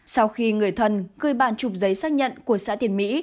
sau khi người thân cười bàn chụp giấy xác nhận của xã tiền mỹ